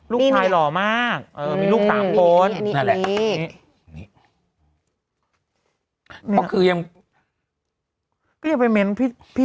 ลูกชายหล่อมากมีลูก๓คนนั่นแหละ